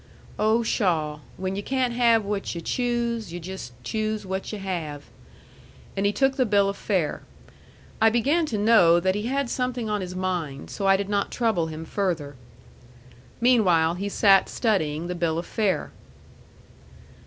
"Oh, pshaw! When yu' can't have what you choose, yu' just choose what you have." And he took the bill of fare. I began to know that he had something on his mind, so I did not trouble him further. Meanwhile he sat studying the bill of fare.